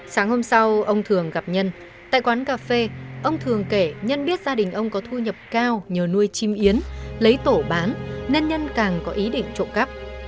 sáng hôm sau ông thường gặp nhân tại quán cà phê ông thường kể nhân biết gia đình ông có thu nhập cao nhờ nuôi chim yến lấy tổ bán nên nhân càng có ý định trộm cắp